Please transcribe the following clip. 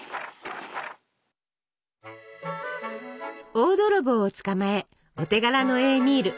大泥棒を捕まえお手柄のエーミール。